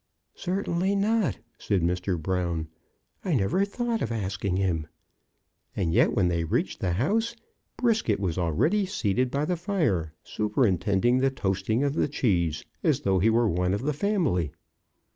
"Certainly not," said Mr. Brown; "I never thought of asking him." And yet, when they reached the house, Brisket was already seated by the fire, superintending the toasting of the cheese, as though he were one of the family.